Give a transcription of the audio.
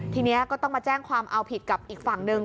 ทีนี้ก็ต้องมาแจ้งความเอาผิดกับอีกฝั่งหนึ่ง